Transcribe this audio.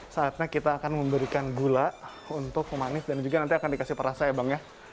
saatnya kita akan memberikan gula untuk memanis dan juga menambahkan